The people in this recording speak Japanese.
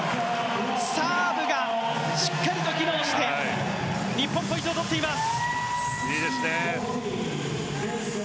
サーブがしっかりと機能して日本、ポイントを取っています。